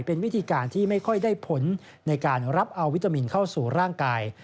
เป็นวิธีการที่ไม่ค่อยได้ผลในการรับเอาวิตามินเข้าสู่ร่างกาย